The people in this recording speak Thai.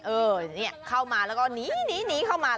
เออนี่เข้ามาแล้วก็นิบนิบหนีใส่เข้าน้ำ